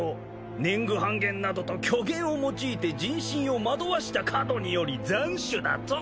年貢半減などと虚言を用いて人心を惑わしたかどにより斬首だと。